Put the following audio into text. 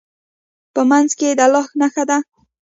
په منځ کې یې د الله نښه ده.